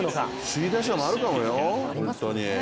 首位打者もあるかもよ、ホントに。